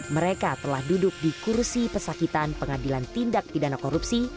mereka telah duduk di kursi pesakitan pengadilan tindak pidana korupsi